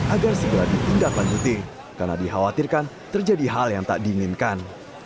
agar segera ditindaklanjuti karena dikhawatirkan terjadi hal yang tak diinginkan